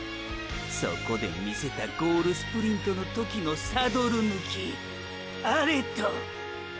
そこで見せたゴールスプリントの時のサドル抜きあれと。